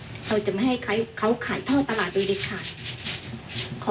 เราจะไม่ให้เขาขายท่อตลาดโดยเด็ดขาด